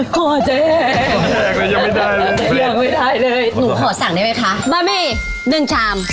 คอจะแห้ง